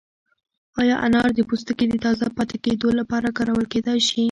ایا انار د پوستکي د تازه پاتې کېدو لپاره کارول کیدای شي؟